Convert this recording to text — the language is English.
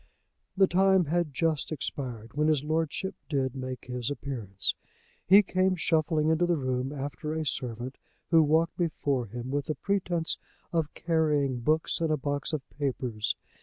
The time had just expired when his lordship did make his appearance. He came shuffling into the room after a servant, who walked before him with the pretence of carrying books and a box of papers.